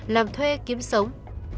làm thuê kiếm sống